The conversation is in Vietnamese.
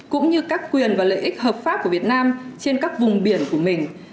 cũng như các quyền và lợi ích hợp pháp của việt nam trên các vùng biển của mình